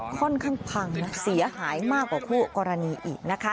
ค่อนข้างพังนะเสียหายมากกว่าคู่กรณีอีกนะคะ